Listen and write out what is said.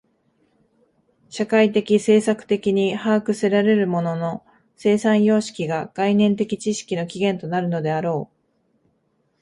社会的制作的に把握せられる物の生産様式が概念的知識の起源となるのであろう。